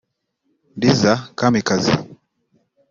Liza Kamikazi